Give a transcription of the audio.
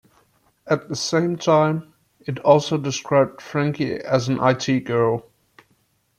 At the same time, it also described Frankie as an it girl.